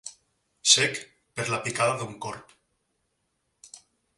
Cec per la picada d'un corb.